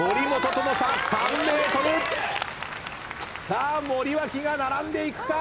さあ森脇が並んでいくか？